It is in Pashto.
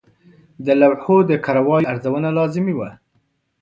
د لوحو د کره والي ارزونه لازمي وه.